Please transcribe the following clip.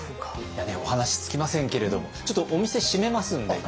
お話尽きませんけれどもちょっとお店閉めますんで。